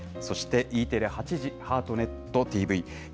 そしてＥテレ８時ハートネットＴＶ。